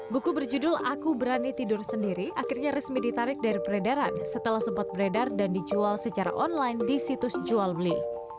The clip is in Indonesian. buku berjudul aku berani tidur sendiri akhirnya resmi ditarik dari peredaran setelah sempat beredar dan dijual secara online di situs jual beli